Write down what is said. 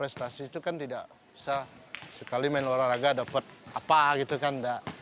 prestasi itu kan tidak bisa sekali main olahraga dapat apa gitu kan